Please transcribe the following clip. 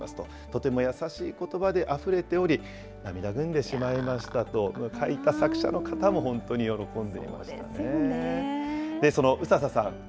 とても優しいことばであふれており、涙ぐんでしまいましたと、描いた作者の方も本当に喜んでいまそうですよね。